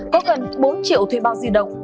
có gần bốn triệu thuê bao di động